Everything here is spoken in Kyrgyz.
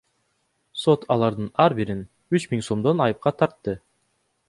Сот алардын ар бирин үч миң сомдон айыпка тартты.